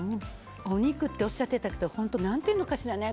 お肉っておっしゃってたけど本当に何て言うんですかね。